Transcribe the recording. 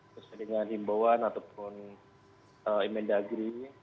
bersama dengan himbawan ataupun imendagri